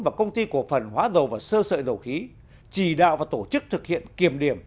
và công ty cổ phần hóa dầu và sơ sợi dầu khí chỉ đạo và tổ chức thực hiện kiểm điểm